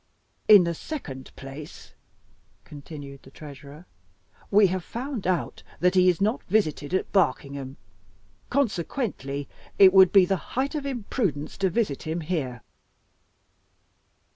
"In the second place," continued the Treasurer, "we have found out that he is not visited at Barkingham. Consequently, it would be the height of imprudence to visit him here."